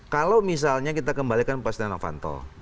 kalau misalnya kita kembalikan pak sidenak vanto